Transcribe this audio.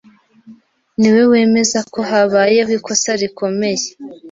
niwe wemeza ko habayeho ikosa rikomeye